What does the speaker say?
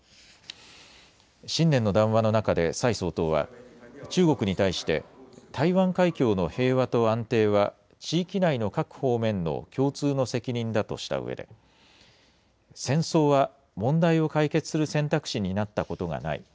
新年の談話の中で蔡総統は中国に対して台湾海峡の平和と安定は地域内の各方面の共通の責任だとしたうえで戦争は問題を解決する選択肢になったことがない。